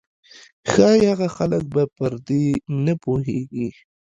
ښايي هغه خلک به پر دې نه پوهېږي.